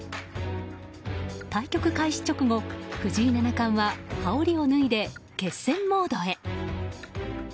対局開始直後藤井七冠は羽織を脱いで決戦モードへ。